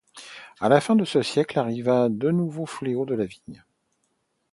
À la fin de ce siècle arriva deux nouveaux fléaux de la vigne.